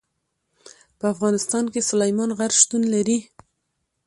په افغانستان کې سلیمان غر شتون لري.